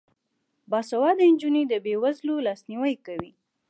باسواده نجونې د بې وزلو لاسنیوی کوي.